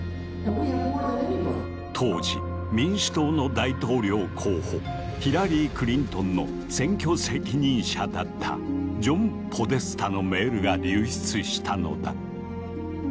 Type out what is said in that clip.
当時民主党の大統領候補ヒラリー・クリントンの選挙責任者だったジョン・ポデスタのメールが流出したのだ。